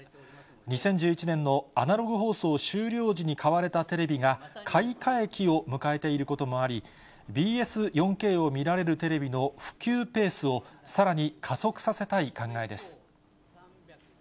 ２０１１年のアナログ放送終了時に買われたテレビが買い替え期を迎えていることもあり、ＢＳ４Ｋを見られるテレビの普及ペースを、さらに加速させたい考えです。